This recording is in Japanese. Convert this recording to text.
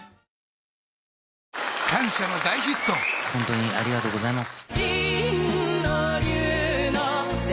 ホントにありがとうございます。